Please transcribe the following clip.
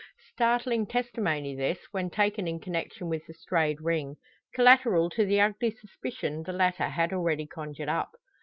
Startling testimony this, when taken in connection with the strayed ring: collateral to the ugly suspicion the latter had already conjured up.